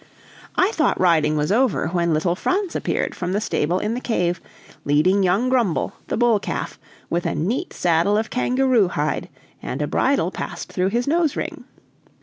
I thought the riding was over, when little Franz appeared from the stable in the cave, leading young Grumble, the bull calf, with a neat saddle of kangaroo hide, and a bridle passed through his nose ring.